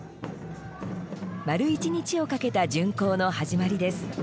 丸一日をかけた巡行の始まりです。